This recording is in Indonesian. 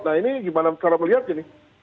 nah ini gimana cara melihatnya nih